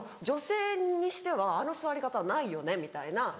「女性にしてはあの座り方はないよね」みたいな。